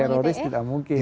teroris tidak mungkin